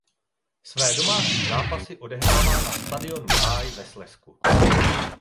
Své domácí zápasy odehrává na stadionu Háj ve Slezsku.